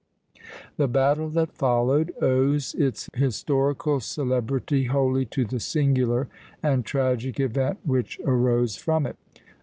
The battle that followed owes its historical celebrity wholly to the singular and tragic event which arose from it.